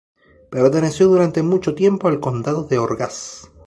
Perteneció durante mucho tiempo al condado de Orgaz.